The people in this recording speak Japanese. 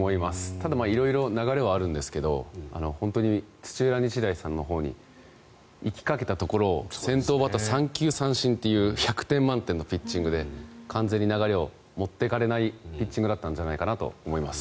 ただ、色々流れはあるんですが本当に土浦日大さんのほうに行きかけたところを先頭バッター、三球三振という１００点満点のピッチングで完全に流れを持っていかれないピッチングだったんじゃないかなと思います。